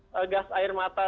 setelah gas air mata